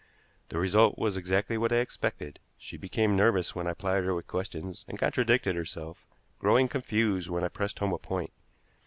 The result was exactly what I expected. She became nervous when I plied her with questions, and contradicted herself, growing confused when I pressed home a point.